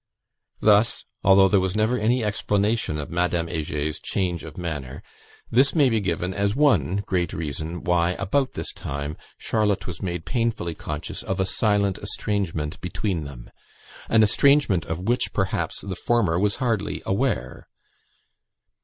Thus, although there was never any explanation of Madame Heger's change of manner, this may be given as one great reason why, about this time, Charlotte was made painfully conscious of a silent estrangement between them; an estrangement of which, perhaps, the former was hardly aware.